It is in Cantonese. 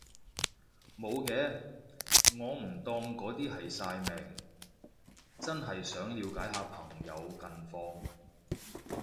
無嘅，我唔當嗰啲係曬命，真係想了解下朋友近況